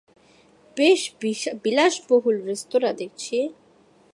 বেশ বিলাসবহুল রেস্তোরাঁ দেখছি।